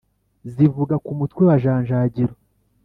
zivuga ku mutwe wa janjagiro